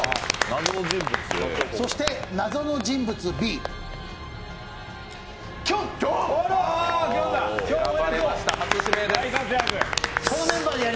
そして、謎の人物Ｂ、きょん！